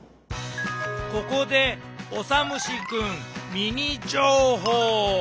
ここでオサムシくんミニ情報！